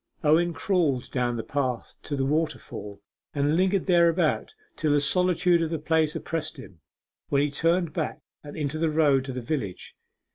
Owen crawled down the path to the waterfall, and lingered thereabout till the solitude of the place oppressed him, when he turned back and into the road to the village.